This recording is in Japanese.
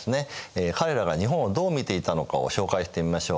彼らが日本をどう見ていたのかを紹介してみましょう。